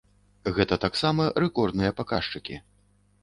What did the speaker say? Гэта таксама рэкордныя паказчыкі.